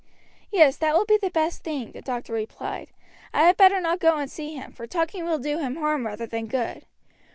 "Yes, that will be the best thing," the doctor replied. "I had better not go and see him, for talking will do him harm rather than good.